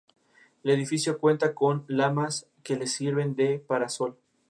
El edificio cuenta con lamas que le sirven de parasol.